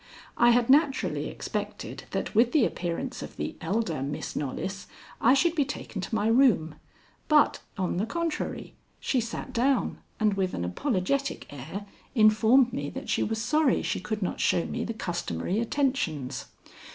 I had naturally expected that with the appearance of the elder Miss Knollys I should be taken to my room; but, on the contrary, she sat down and with an apologetic air informed me that she was sorry she could not show me the customary attentions.